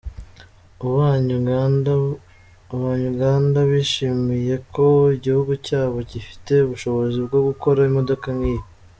Abanya -Uganda bishimiye ko igihugu cyabo gifite ubushobozi bwo gukora imodoka nk’iyo.